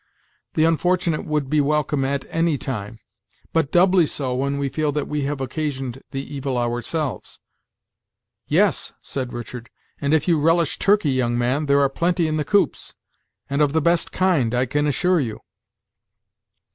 "The unfortunate would be welcome at any time, but doubly so when we feel that we have occasioned the evil ourselves," "Yes," said Richard, "and if you relish turkey, young man, there are plenty in the coops, and of the best kind, I can assure you."